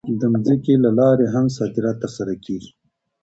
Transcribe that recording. د ځمکې له لارې هم صادرات ترسره کېږي.